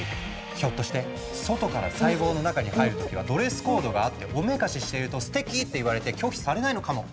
ひょっとして外から細胞の中に入る時はドレスコードがあっておめかししているとすてきって言われて拒否されないのかも。